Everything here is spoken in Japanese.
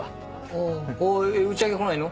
あぁえっ打ち上げ来ないの？